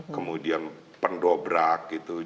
kemudian pendobrak gitu